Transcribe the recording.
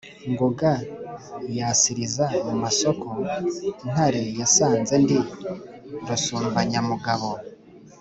Ngoga yasiliza mu masoko, Ntare yasanze ndi rusumbanyamugabo